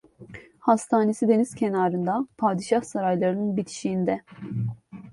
Hastanesi deniz kenarında, padişah saraylarının bitişiğinde.